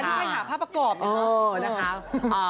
อันนี้ไปหาภาพประกอบเนี่ยค่ะ